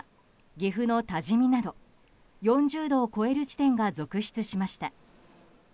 岐阜の多治見など４０度を超える地点が続出しました。